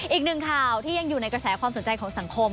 อีกหนึ่งข่าวที่ยังอยู่ในกระแสความสนใจของสังคม